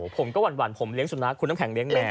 ผมก็หวั่นผมเลี้ยสุนัขคุณน้ำแข็งเลี้ยแมว